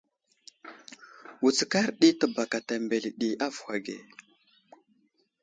Wutskar ɗi təbakata mbele ɗi avohw age.